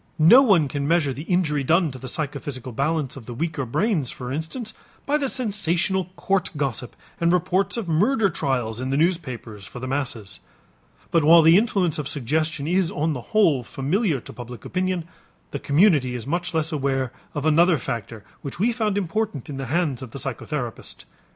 No one can measure the injury done to the psychophysical balance of the weaker brains, for instance, by the sensational court gossip and reports of murder trials in the newspapers for the masses. But while the influence of suggestion is on the whole familiar to public opinion, the community is much less aware of another factor which we found important in the hands of the psychotherapist.